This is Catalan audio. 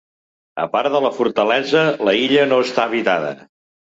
A part de la fortalesa, la illa no està habitada.